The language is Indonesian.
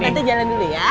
tante jalan dulu ya